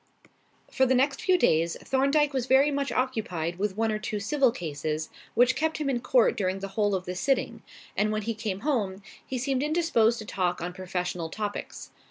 For the next few days, Thorndyke was very much occupied with one or two civil cases, which kept him in court during the whole of the sitting; and when he came home, he seemed indisposed to talk on professional topics.